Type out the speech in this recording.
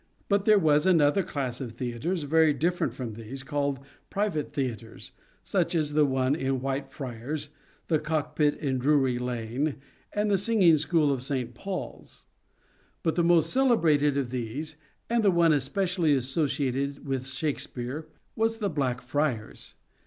But there was another class of theatres very different from these, called private theatres, such as one in White Friars, The Cockpit in Drury Lane, and the Singing School of St. Paul's ; but the most celebrated of these, and the one especially associated with Shake speare, was The Black Friars.